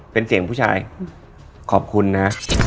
เป็นเสียงผู้ชายขอบคุณนะ